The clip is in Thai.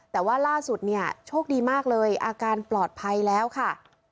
แต่ว่าล่าสุดเนี่ยโชคดีมากเลยอาการปลอดภัยแล้วค่ะ